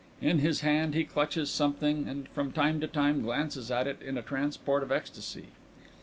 In his hand he clutches something and from time to time glances at it in a transport of ecstasy.